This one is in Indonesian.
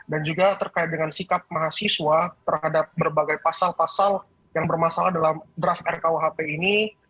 dan juga terkait dengan sikap mahasiswa terhadap berbagai pasal pasal yang bermasalah dalam draft rkuhp ini